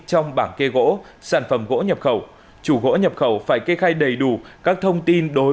trong bảng kê gỗ sản phẩm gỗ nhập khẩu chủ gỗ nhập khẩu phải kê khai đầy đủ các thông tin đối